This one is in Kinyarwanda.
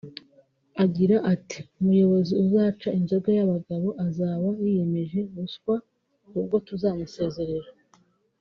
Agira ati “Umuyobozi uzaca inzoga y’abagabo azaba yiyemeje ruswa ubwo tuzamusezerera